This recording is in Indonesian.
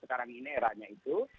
sekarang ini eranya itu